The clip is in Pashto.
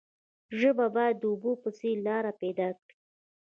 ژبه باید د اوبو په څیر لاره پیدا کړي.